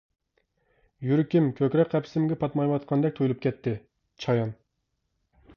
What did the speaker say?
يۈرىكىم كۆكرەك قەپىسىمگە پاتمايۋاتقاندەك تۇيۇلۇپ كەتتى، چايان.